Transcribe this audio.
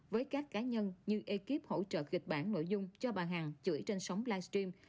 với các cá nhân như ekip hỗ trợ gịch bản nội dung cho bà hằng chửi trên sóng live stream